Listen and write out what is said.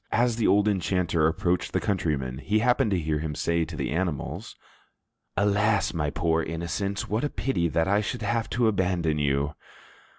As the old enchanter approached the countryman, he happened to hear him say to the animals, "Alas, my poor innocents, what a pity that I should have to abandon you!"